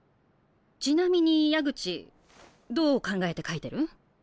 ちなみに矢口どう考えて描いてる？